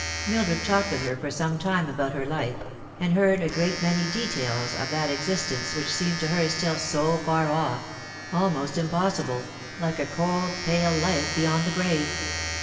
Mildred talked with her for some time about her life, and heard a great many details of that existence which seemed to her still so far off, almost impossible, like a cold pale life beyond the grave.